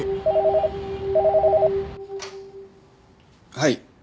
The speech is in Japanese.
はい。